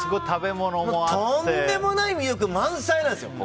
とんでもない魅力満載なんです。